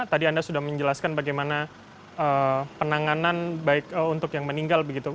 tadi anda sudah menjelaskan bagaimana penanganan baik untuk yang meninggal begitu